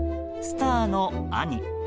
スターの兄。